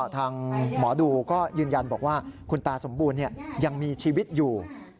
ทางหมอดูก็ยืนยันบอกว่าคุณตาสมบูรณ์ยังมีชีวิตอยู่